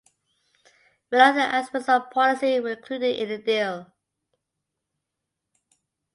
Many other aspects of policy were included in the deal.